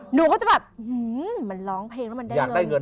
หนูก็จะแบบมันร้องเพลงแล้วมันได้เงิน